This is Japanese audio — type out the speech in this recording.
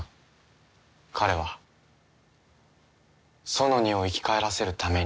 ソノニを生き返らせるために。